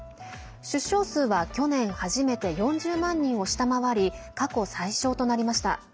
出生数は去年初めて４０万人を下回り過去最少となりました。